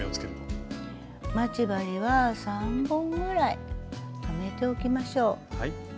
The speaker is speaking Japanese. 待ち針は３本ぐらい留めておきましょう。